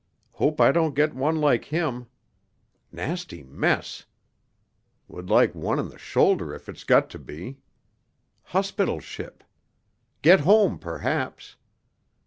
Hope I don't get one like him ... nasty mess ... would like one in the shoulder if it's got to be ... hospital ship ... get home, perhaps